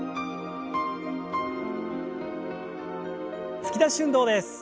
突き出し運動です。